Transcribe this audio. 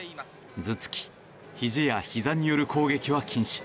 頭突き、ひじやひざによる攻撃は禁止。